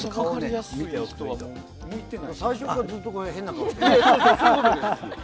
最初からずっと変な顔しておこう。